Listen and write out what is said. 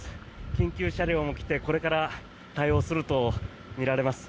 緊急車両も来てこれから対応するとみられます。